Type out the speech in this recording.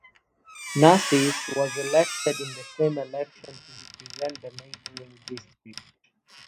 Narcisse was elected in the same election to represent the neighboring district.